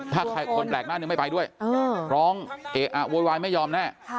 ถ้าคนแหลกหน้านึงไม่ไปด้วยร้องโวยไม่ยอมแน่